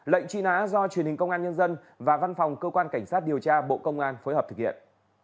lệnh truy nã do truyền hình công an nhân dân và văn phòng cơ quan cảnh sát điều tra bộ công an phối hợp thực hiện